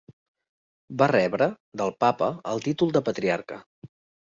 Va rebre del papa el títol de Patriarca.